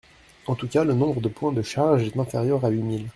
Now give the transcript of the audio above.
En tout cas, le nombre de points de charges est inférieur à huit mille.